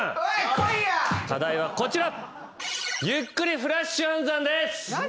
課題はこちら。